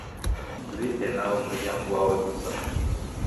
Bite Naba umuryango wawe gusa